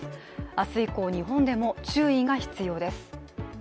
明日以降、日本でも注意が必要です。